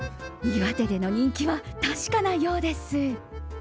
岩手での人気は確かなようです。